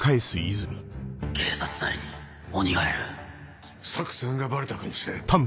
警察内に鬼がいる作戦がバレたかもしれん。